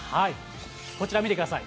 こちら見てください。